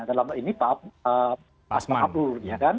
dalam ini pak abdul